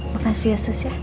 makasih ya sus ya